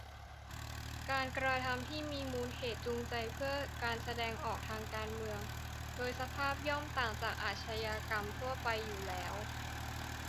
การกระทำที่มีมูลเหตุจูงใจเพื่อการแสดงออกทางการเมือง โดยสภาพย่อมต่างจากอาชญากรรมทั่วไปอยู่แล้ว